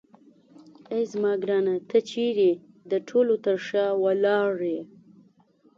اې زما ګرانه ته چیرې د ټولو تر شا ولاړ یې.